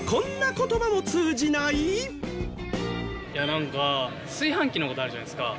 なんか炊飯器の事あるじゃないですか。